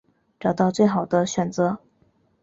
找到最好的选择